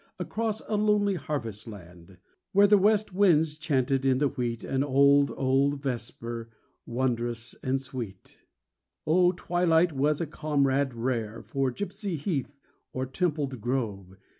Across a lonely harvest land, Where west winds chanted in the wheat An old, old vesper wondrous sweet. Oh, Twilight was a comrade rare For gypsy heath or templed grove.